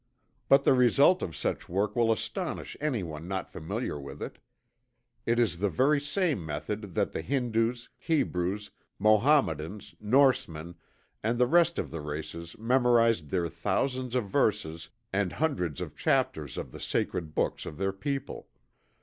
But the result of such work will astonish anyone not familiar with it. It is the very same method that the Hindus, Hebrews, Mohammedans, Norsemen, and the rest of the races, memorized their thousands of verses and hundreds of chapters of the sacred books of their people.